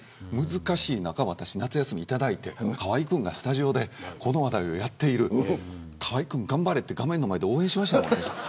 難しい中、私、夏休みいただいて河合君がスタジオでこの話題をやっている河合君、頑張れとか目の前で応援しましたもん。